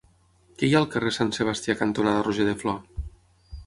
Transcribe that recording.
Què hi ha al carrer Sant Sebastià cantonada Roger de Flor?